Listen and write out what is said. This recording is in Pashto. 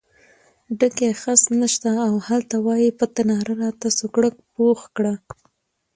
ډکی خس نشته او هلته وایې په تناره راته سوکړک پخ کړه.